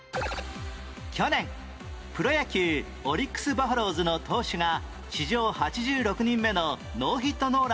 去年プロ野球オリックス・バファローズの投手が史上８６人目のノーヒットノーランを達成